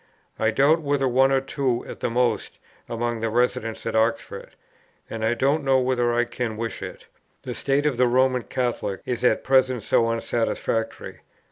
I doubt whether one or two at the most among residents at Oxford. And I don't know whether I can wish it. The state of the Roman Catholics is at present so unsatisfactory.